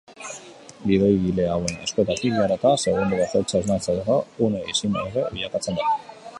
Gidoigile hauen eskuetatik igarota, segundo bakoitza hausnarketarako une ezin hobe bilakatzen da.